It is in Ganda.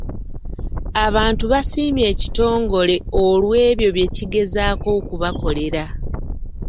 Abantu basiimye ekitongole olw'ebyo bye kigezaako okubakolera.